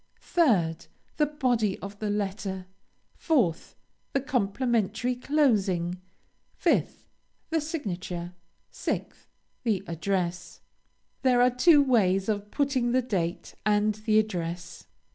3d. The body of the letter. 4th. The complimentary closing. 5th. The signature. 6th. The address. There are two ways of putting the date, and the address.